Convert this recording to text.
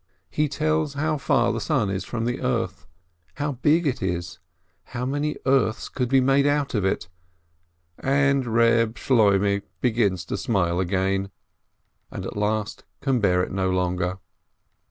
He tells how far the sun is from the earth, how big it is, how many earths could be made out of it — and Eeb Shloimeh begins to smile again, and at last can bear it no longer.